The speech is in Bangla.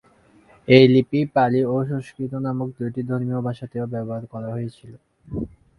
এই লিপি পালি ও সংস্কৃত নামক দুটি ধর্মীয় ভাষাতেও ব্যবহার করা হয়েছিলো।